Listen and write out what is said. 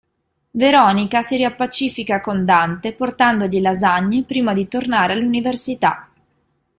Veronica si riappacifica con Dante portandogli lasagne prima di tornare all'università.